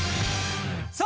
さあ。